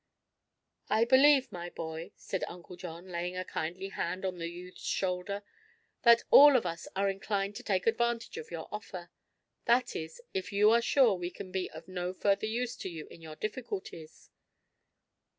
"I believe, my boy," said Uncle John, laying a kindly hand on the youth's shoulder, "that all of us are inclined to take advantage of your offer. That is, if you are sure we can be of no further use to you in your difficulties."